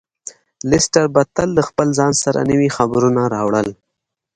لیسټرډ به تل له ځان سره نوي خبرونه راوړل.